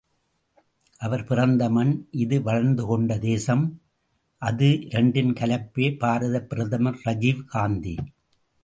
அவர் பிறந்த மண் இது வளர்த்துக்கொண்ட தேசம் அது, இரண்டின் கலப்பே பாரதப் பிரதமர் ராஜீவ் காந்தி.